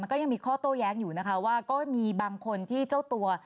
ก็ยังมีข้อโต้แย้งอยู่นะคะว่าก็มีบางคนที่เจ้าตัว